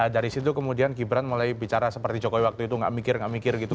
dari situ kemudian gibran mulai bicara seperti jokowi waktu itu gak mikir nggak mikir gitu